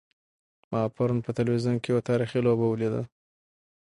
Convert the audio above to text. ما پرون په تلویزیون کې یوه تاریخي لوبه ولیده.